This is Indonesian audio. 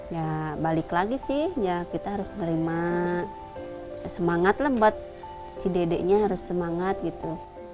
ya balik lagi sih ya kita harus nerima semangat lembat si dedeknya harus semangat gitu